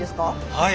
はい。